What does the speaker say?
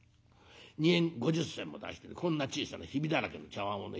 ２円５０銭も出してこんな小さなヒビだらけの茶わんをね